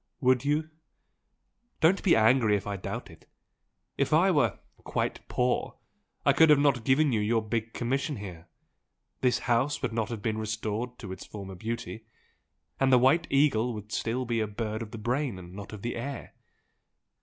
"Would you? Don't be angry if I doubt it! If I were 'quite poor' I could not have given you your big commission here this house would not have been restored to its former beauty, and the White Eagle would be still a bird of the brain and not of the air!